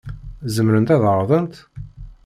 Zemrent ad ɛerḍent?